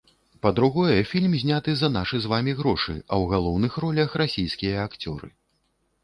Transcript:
Па-другое, фільм зняты за нашы з вамі грошы, а ў галоўных ролях расійскія акцёры.